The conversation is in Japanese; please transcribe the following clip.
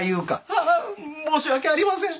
はあ申し訳ありません。